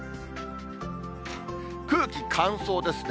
空気乾燥ですね。